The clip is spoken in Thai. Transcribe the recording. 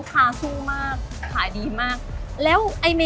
เพราะว่าอะไรเราถูกได้ไหม